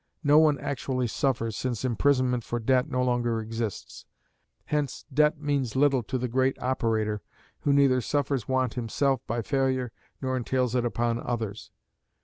No one actually suffers, since imprisonment for debt no longer exists; hence "debt" means little to the great operator, who neither suffers want himself by failure nor entails it upon others.